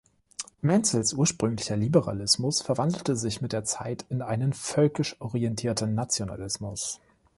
Menzels ursprünglicher Liberalismus verwandelte sich mit der Zeit in einen völkisch orientierten Nationalismus.